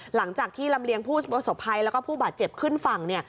หลังจากที่ลำเลียงผู้ประสบภัยแล้วก็ผู้บาดเจ็บขึ้นฝั่ง